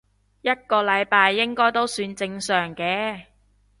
一個禮拜應該都算正常嘅